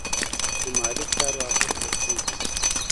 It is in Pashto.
د مالي چارو ارزښت ور وپیژنئ.